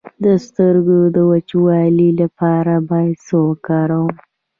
د سترګو د وچوالي لپاره باید څه وکاروم؟